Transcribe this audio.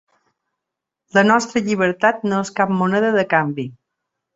La nostra llibertat no és cap moneda de canvi.